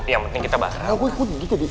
ilangya aku tuh dihapus